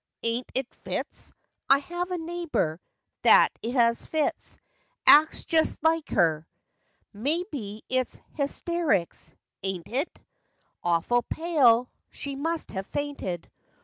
Aint it fits ? I have a neighbor That has fits; acts just like her? May be it's hystericks ; aint it ? Awful pale ! She must have fainted."